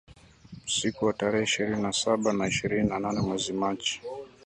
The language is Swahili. usiku wa tarehe ishirni na saba na ishirini na nane mwezi Machi